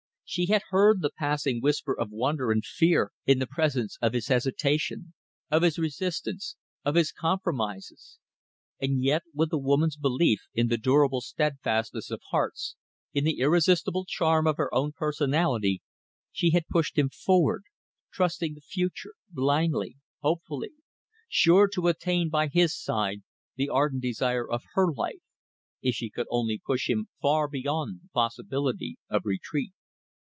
She had heard the passing whisper of wonder and fear in the presence of his hesitation, of his resistance, of his compromises; and yet with a woman's belief in the durable steadfastness of hearts, in the irresistible charm of her own personality, she had pushed him forward, trusting the future, blindly, hopefully; sure to attain by his side the ardent desire of her life, if she could only push him far beyond the possibility of retreat.